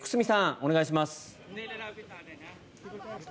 お願いします。